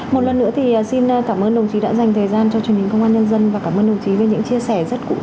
một lần nữa thì xin cảm ơn đồng chí đã dành thời gian cho truyền hình công an nhân dân và cảm ơn đồng chí với những chia sẻ rất cụ thể vừa rồi